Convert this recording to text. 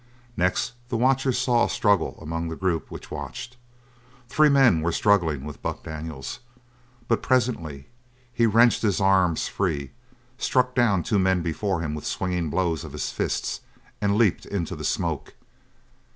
Next the watchers saw a struggle among the group which watched. Three men were struggling with Buck Daniels, but presently he wrenched his arms free, struck down two men before him with swinging blows of his fists, and leaped into the smoke.